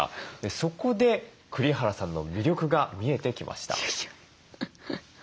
そこで栗原さんの魅力が見えてきました。